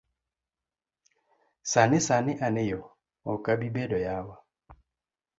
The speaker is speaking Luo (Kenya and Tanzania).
Sani sani an eyo, ok abideko yawa.